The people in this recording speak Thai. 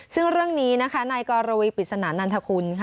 ซึ่งเรื่องนี้นะคะนายกรวีปริศนานันทคุณค่ะ